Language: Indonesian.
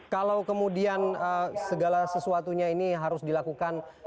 kalau kemudian segala sesuatunya ini harus dilakukan